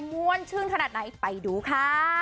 มวลชื่นขนาดไหนไปดูค่ะ